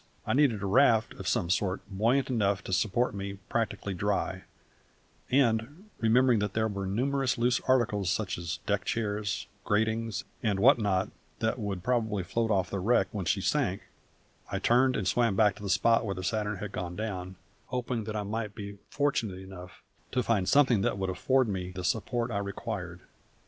I needed a raft of some sort buoyant enough to support me practically dry; and, remembering that there were numerous loose articles such as deck chairs, gratings, and what not that would probably float off the wreck when she sank, I turned and swam back towards the spot where the Saturn had gone down, hoping that I might be fortunate enough to find something that would afford me the support I required.